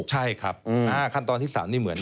ใช่ครับขั้นตอนที่๓นี่เหมือน